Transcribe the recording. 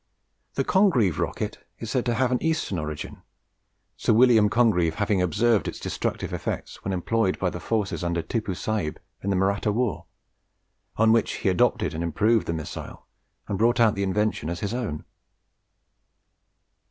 The Congreve rocket is said to have an Eastern origin, Sir William Congreve having observed its destructive effects when employed by the forces under Tippoo Saib in the Mahratta war, on which he adopted and improved the missile, and brought out the invention as his own.